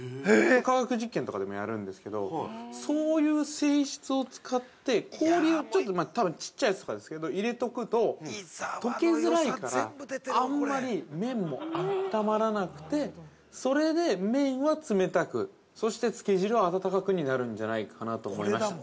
化学実験とかでもやるんですけどそういう性質を使って氷をちょっと、多分ちっちゃいやつとかですけど入れておくと、とけづらいからあんまり麺も温まらなくてそれで、麺は冷たくそして、つけ汁は温かくになるんじゃないかなと思いました。